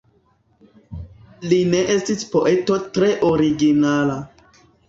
Li ne estis poeto tre originala.